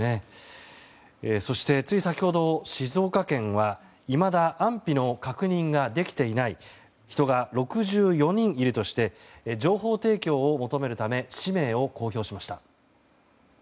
そして、つい先ほど静岡県はいまだ安否の確認ができていない人が６４人いるとして情報提供を求めるため氏名を公表しました。